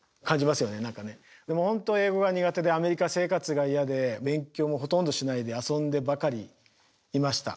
でも本当英語が苦手でアメリカ生活が嫌で勉強もほとんどしないで遊んでばかりいました。